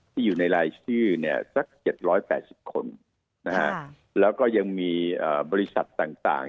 อยู่ในรายชื่อเนี่ยสัก๗๘๐คนแล้วก็ยังมีบริษัทต่าง